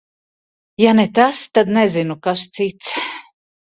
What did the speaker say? Ja ne tas, tad nezinu, kas cits.